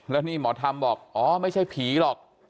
แล้วนี่หมอธรรมบอกอ๋อไม่ใช่ผีหรอก